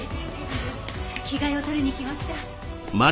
着替えを取りに来ました。